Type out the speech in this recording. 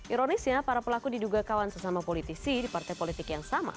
ironisnya para pelaku diduga kawan sesama politisi di partai politik yang sama